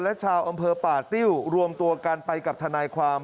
และชาวอำเภอป่าติ้วรวมตัวกันไปกับทนายความ